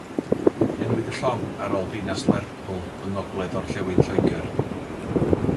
Enwyd y llong ar ôl Dinas Lerpwl yng ngogledd-orllewin Lloegr.